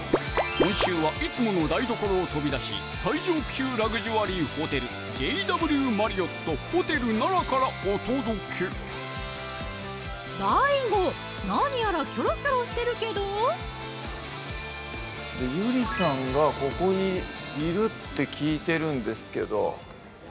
今週はいつもの台所を飛び出し最上級ラグジュアリーホテルＪＷマリオット・ホテル奈良からお届けＤＡＩＧＯ何やらキョロキョロしてるけどゆりさんがここにいるって聞いてるんですけど